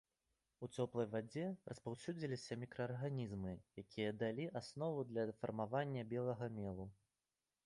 У цёплай вадзе распаўсюдзіліся мікраарганізмы, якія далі аснову для фармавання белага мелу.